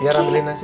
biar amelin nasi